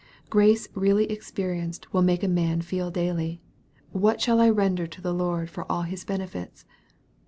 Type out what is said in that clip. Grace really experienced will make a man feel daily, " What shall I render to the Lord for all His benefits."